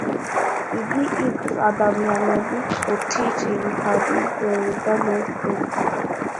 იგი იქს-ადამიანების ხუთი ძირითადი წევრიდან ერთ-ერთია.